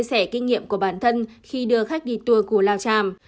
anh huy chia sẻ kinh nghiệm của bản thân khi đưa khách đi tour của lao tràm